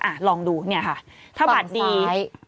อ่ะลองดูเนี่ยค่ะถ้าบาทดี